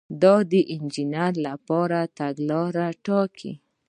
دا د انجینر لپاره تګلاره ټاکي.